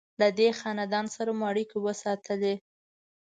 له دې خاندان سره مو اړیکې وساتلې.